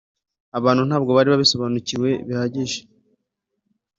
abantu ntabwo bari babisobanukiwe bihagije